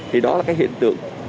thì đó là cái hiện tượng